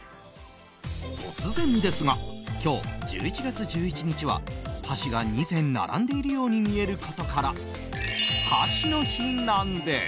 突然ですが今日、１１月１１日は箸が２膳並んでいるように見えることから箸の日なんです。